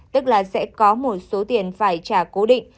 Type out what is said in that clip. tức là sẽ có một số tiền phải trả cố định